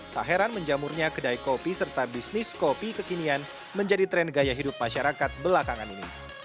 tak heran menjamurnya kedai kopi serta bisnis kopi kekinian menjadi tren gaya hidup masyarakat belakangan ini